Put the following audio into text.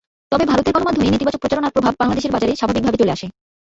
তবে ভারতের গণমাধ্যমে নেতিবাচক প্রচারণার প্রভাব বাংলাদেশের বাজারে স্বাভাবিকভাবে চলে আসে।